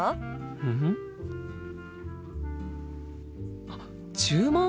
うん？あっ注文？